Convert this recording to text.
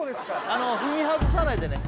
あの踏み外さないでね